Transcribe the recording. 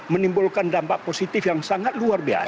menimbulkan dampak positif yang sangat luar biasa